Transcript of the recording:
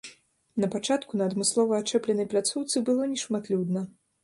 На пачатку на адмыслова ачэпленай пляцоўцы было нешматлюдна.